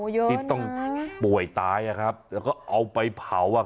รูปต้องป่วยไอ้ตายแล้วก็เอาไปเผา